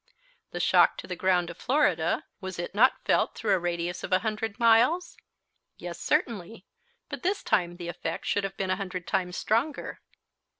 The shock to the ground of Florida, was it not felt through a radius of 100 miles? Yes, certainly, but this time the effect should have been a hundred times stronger.